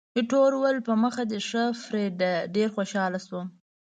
ایټور وویل، په مخه دې ښه فریډه، ډېر خوشاله شوم.